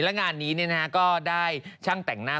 และงานนี้ก็ได้ช่างแต่งหน้า